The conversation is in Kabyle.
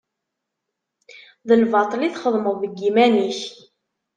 D lbaṭel i txedmeḍ deg yiman-ik.